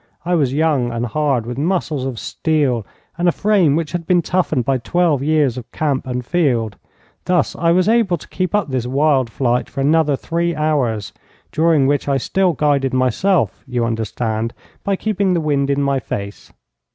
I was young and hard, with muscles of steel, and a frame which had been toughened by twelve years of camp and field. Thus I was able to keep up this wild flight for another three hours, during which I still guided myself, you understand, by keeping the wind in my face.